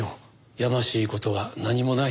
やましい事は何もない。